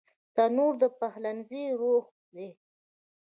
تنور د پخلنځي روح دی